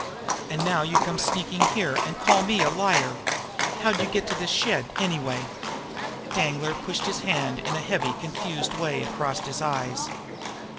And now you come sneaking here and call me a liar! How'd you get to this shed, anyway?" Danglar pushed his hand in a heavy, confused way across his eyes.